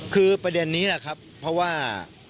คือประเด็นนี้แหละครับเพราะว่า